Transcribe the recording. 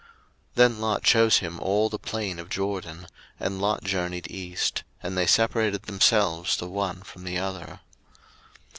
01:013:011 Then Lot chose him all the plain of Jordan; and Lot journeyed east: and they separated themselves the one from the other.